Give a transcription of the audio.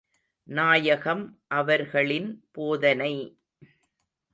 நாயகம் அவர்களின் போதனை...